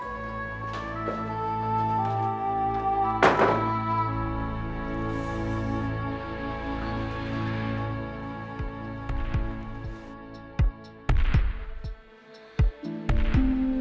ini juga menghirap pada kamu